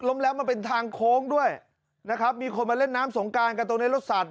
แล้วมันเป็นทางโค้งด้วยนะครับมีคนมาเล่นน้ำสงการกันตรงนี้รถสัตว